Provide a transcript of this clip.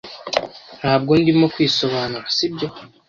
Ntabwo ndimo kwisobanura, sibyo?